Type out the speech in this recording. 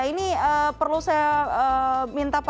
ini perlu saya minta pak